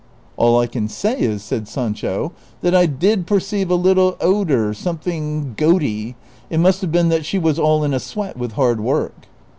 " All I can say is," said Sancho, " that I did perceive a little odor, something goaty ; it must have been that she was all in a sweat with hard work."